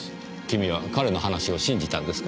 君は彼の話を信じたんですか？